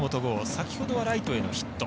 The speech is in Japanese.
先ほどはライトへのヒット。